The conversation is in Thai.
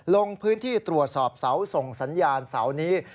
ลงพื้นที่ตรวจสอบเสาส่งสัญญาณเสานี้